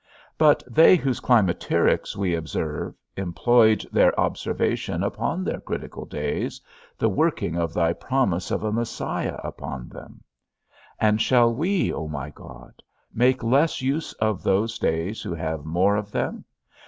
But they whose climacterics we observe, employed their observation upon their critical days, the working of thy promise of a Messias upon them. And shall we, O my God, make less use of those days who have more of them?